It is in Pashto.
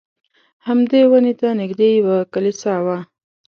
همدې ونې ته نږدې یوه کلیسا وه.